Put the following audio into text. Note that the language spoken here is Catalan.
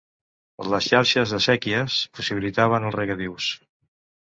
Les xarxes de séquies possibilitaven els regadius.